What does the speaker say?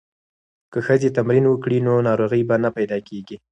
که ښځې تمرین وکړي نو ناروغۍ به نه پیدا کیږي.